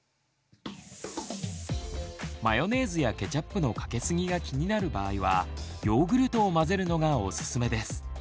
マヨネーズやケチャップのかけすぎが気になる場合はヨーグルトを混ぜるのがおすすめです。